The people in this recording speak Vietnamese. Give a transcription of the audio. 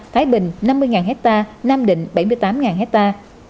thái bình năm mươi ha nam định bảy mươi tám ha